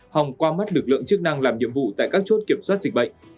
hòng qua mắt lực lượng chức năng làm nhiệm vụ tại các chốt kiểm soát dịch bệnh